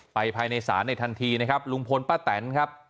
ภายในศาลในทันทีนะครับลุงพลป้าแตนครับ